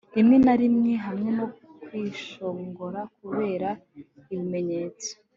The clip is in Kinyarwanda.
rimwe na rimwe hamwe no kwishongora, kureba, ibimenyetso